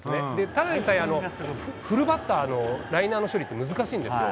ただでさえ、フルバッターのライナーの処理って難しいんですよ。